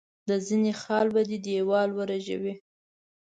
د زنه خال به دي دیوالۍ ورژوي.